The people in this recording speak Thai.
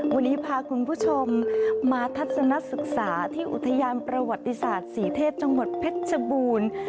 วันนี้พาคุณผู้ชมมาทัศนศึกษาที่อุทยานประวัติศาสตร์ศรีเทพจังหวัดเพชรชบูรณ์